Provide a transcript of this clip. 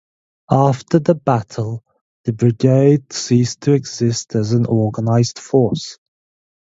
After the battle, the brigade ceased to exist as an organized force.